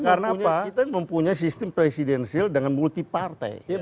karena kita ini mempunyai sistem presidensial dengan multi partai